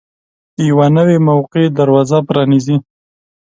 یوه نوې موقع دروازه پرانیزي.